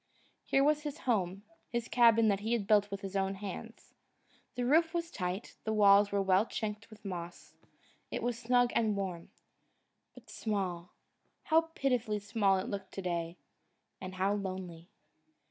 Here was his home, his cabin that he had built with his own hands. The roof was tight, the walls were well chinked with moss. It was snug and warm. But small how pitifully small it looked to day and how lonely!